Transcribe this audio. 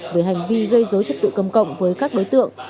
về hành vi gây dối trật tự công cộng với các đối tượng